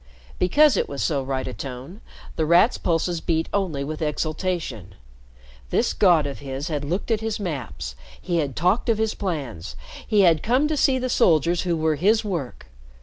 Because it was so right a tone, The Rat's pulses beat only with exultation. This god of his had looked at his maps, he had talked of his plans, he had come to see the soldiers who were his work!